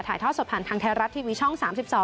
ถ่ายทอดสดผ่านทางไทยรัฐทีวีช่อง๓๒